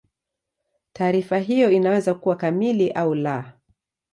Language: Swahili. Taarifa hiyo inaweza kuwa kamili au la.